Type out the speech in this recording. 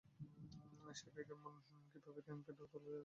সেই বেগের মান তিনি পেলেন কেকেন্ডে তিন লাখ কিলোমিটার।